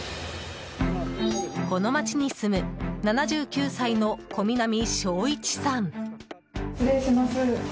この町に住む、７９歳の小南正一さん。